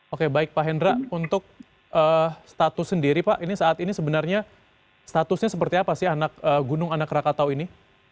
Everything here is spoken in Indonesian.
oke baik pak hendra untuk status sendiri pak ini saat ini sebenarnya statusnya seperti apa sih anak gunung anak rakatau ini